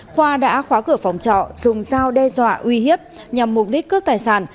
khoa đã khóa cửa phòng trọ dùng dao đe dọa uy hiếp nhằm mục đích cướp tài sản